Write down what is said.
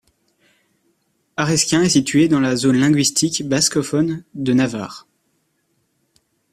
Arizkun est situé dans la zone linguistique bascophone de Navarre.